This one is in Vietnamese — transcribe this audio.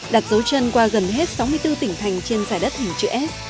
đặt dấu chân qua gần hết sáu mươi bốn tỉnh thành trên giải đất hình chữ s